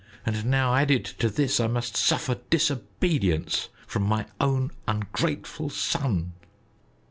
And now added to this I must suffer disobedience from my own ungrateful son."